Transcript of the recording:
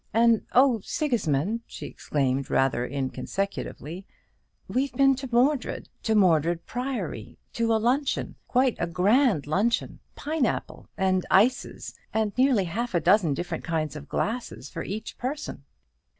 "And, oh, Sigismund," she exclaimed, rather inconsecutively, "we've been to Mordred to Mordred Priory to a luncheon; quite a grand luncheon pine apple and ices, and nearly half a dozen different kinds of glasses for each person."